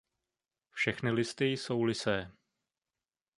Všechny listy jsou lysé.